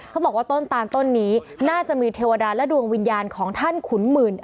เขาบอกว่าต้นตานต้นนี้น่าจะมีเทวดาและดวงวิญญาณของท่านขุนหมื่น